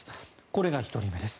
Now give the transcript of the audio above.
これが１人目です。